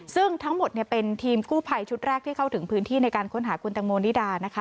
ซึ่งทั้งหมดเป็นทีมกู้ภัยชุดแรกที่เข้าถึงพื้นที่ในการค้นหาคุณตังโมนิดานะคะ